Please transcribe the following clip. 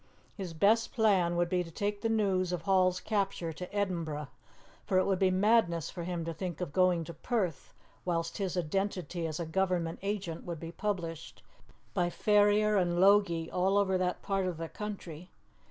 His best plan would be to take the news of Hall's capture to Edinburgh, for it would be madness for him to think of going to Perth, whilst his identity as a Government agent would be published by Ferrier and Logie all over that part of the country.